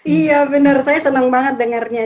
iya benar saya senang banget dengarnya